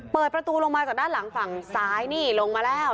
เปิดประตูลงมาจากด้านหลังฝั่งซ้ายนี่ลงมาแล้ว